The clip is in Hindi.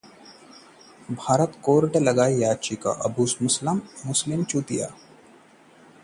भारत से बाहर जाने की जुगत में अबू सलेम, पुर्तगाल कोर्ट में लगाई याचिका